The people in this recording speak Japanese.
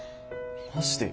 マジで？